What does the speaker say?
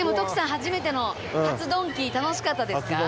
初めての初ドンキ楽しかったですか？